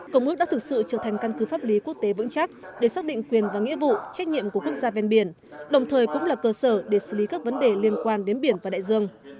công ước đã thực sự trở thành căn cứ pháp lý quốc tế vững chắc để xác định quyền và nghĩa vụ trách nhiệm của quốc gia ven biển đồng thời cũng là cơ sở để xử lý các vấn đề liên quan đến biển và đại dương